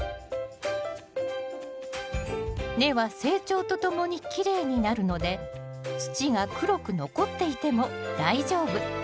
根は成長とともにきれいになるので土が黒く残っていても大丈夫。